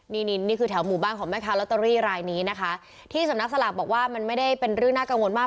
นี่นี่คือแถวหมู่บ้านของแม่ค้าลอตเตอรี่รายนี้นะคะที่สำนักสลากบอกว่ามันไม่ได้เป็นเรื่องน่ากังวลมาก